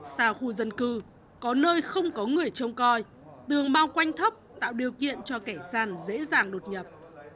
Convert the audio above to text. xa khu dân cư có nơi không có người trông coi tường bao quanh thấp tạo điều kiện cho kẻ gian dễ dàng đột nhập